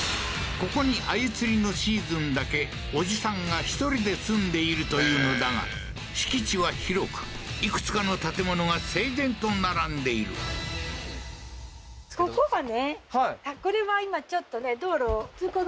ここに鮎釣りのシーズンだけおじさんが１人で住んでいるというのだが敷地は広くいくつかの建物が整然と並んでいるああーであのそうですね